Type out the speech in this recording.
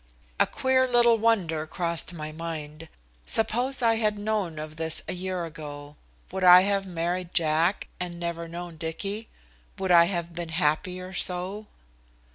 A queer little wonder crossed my mind. Suppose I had known of this a year ago. Would I have married Jack, and never known Dicky? Would I have been happier so?